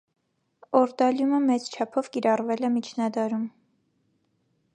Օրդալիումը մեծ չափով կիրառվել է միջնադարում։